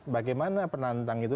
bagaimana penantang itu